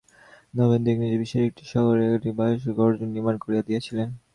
নবেন্দু ইংরাজের বিশেষ একটি শখের শহরে এক বহুব্যয়সাধ্য ঘোড়দৌড়স্থান নির্মাণ করিয়া দিয়াছিলেন।